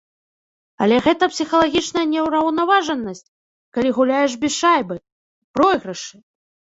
Але гэта псіхалагічная неўраўнаважанасць, калі гуляеш без шайбы, пройгрышы!